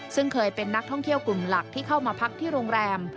ซึ่งเคยเป็นนักท่องเที่ยวกลุ่มหลักที่เข้ามาพักที่โรงแรม